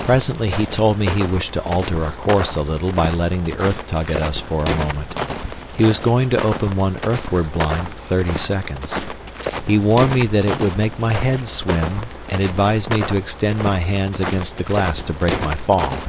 Presently he told me he wished to alter our course a little by letting the earth tug at us for a moment. He was going to open one earthward blind for thirty seconds. He warned me that it would make my head swim, and advised me to extend my hands against the glass to break my fall.